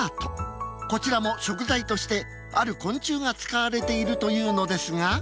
こちらも食材としてある昆虫が使われているというのですが。